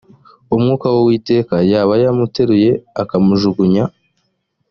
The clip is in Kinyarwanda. umwuka w uwiteka yaba yamuteruye akamujugunya